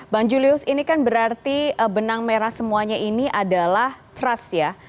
bang julius ini kan berarti benang merah semuanya ini adalah trust ya